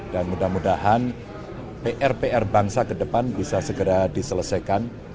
dan mudah mudahan pr pr bangsa ke depan bisa segera diselesaikan